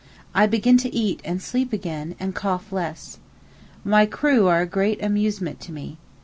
I begin to eat and sleep again, and cough less. My crew are a great amusement to me.